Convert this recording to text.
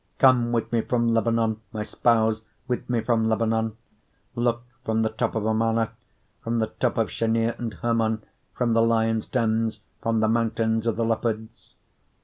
4:8 Come with me from Lebanon, my spouse, with me from Lebanon: look from the top of Amana, from the top of Shenir and Hermon, from the lions' dens, from the mountains of the leopards.